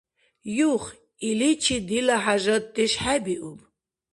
Юх, иличи дила хӏяжатдеш хӏебиуб.